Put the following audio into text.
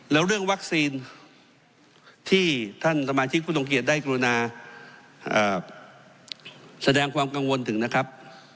แล้วเรื่องวัคซีนที่ท่านสมาชิกผู้ทรงเกียจได้กรุณาแสดงความกังวลถึงนะครับ